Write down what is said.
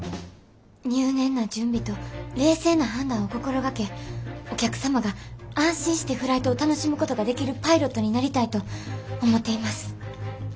入念な準備と冷静な判断を心がけお客様が安心してフライトを楽しむことができるパイロットになりたいと思っています。